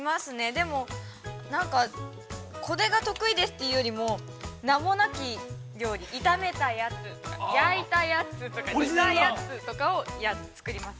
でも、なんか、これが得意ですというよりも名もなき料理、炒めたやつ焼いたやつとか煮たやつとかを作ります。